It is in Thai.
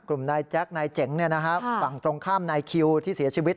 นายแจ๊คนายเจ๋งฝั่งตรงข้ามนายคิวที่เสียชีวิต